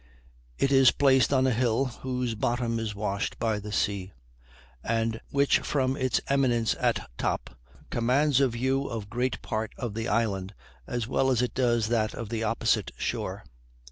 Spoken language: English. It is placed on a hill whose bottom is washed by the sea, and which from its eminence at top, commands a view of great part of the island as well as it does that of the opposite shore.